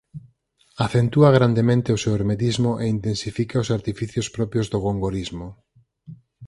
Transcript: Acentúa grandemente o seu hermetismo e intensifica os artificios propios do gongorismo.